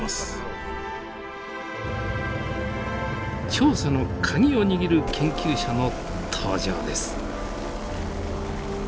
調査の鍵を握る研究者の登場です。